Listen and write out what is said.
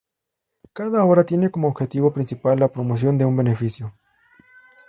Cada obra tiene como objetivo principal la promoción de un beneficio.